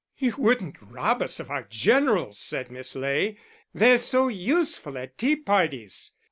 '" "You wouldn't rob us of our generals," said Miss Ley; "they're so useful at tea parties.